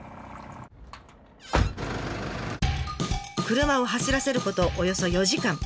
車を走らせることおよそ４時間。